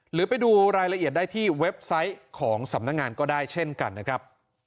หรือไปดูรายละเอียดได้ที่เว็บไซต์ของสำนักงานก็ได้เช่นกันนะครับ